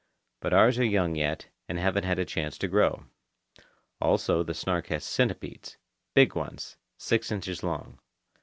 But ours are young yet, and haven't had a chance to grow. Also, the Snark has centipedes, big ones, six inches long.